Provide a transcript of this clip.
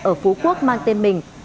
ở phú quốc mang tên mình